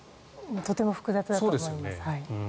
とても複雑だと思います。